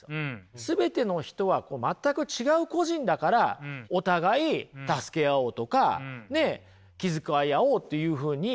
全ての人はこう全く違う個人だからお互い助けあおうとかねきづかいあおうというふうになる。